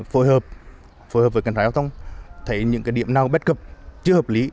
phối hợp với cảnh sát giao thông thấy những điểm nào bất cập chưa hợp lý